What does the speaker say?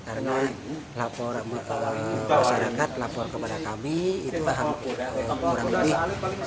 karena laporan masyarakat lapor kepada kami itu kurang lebih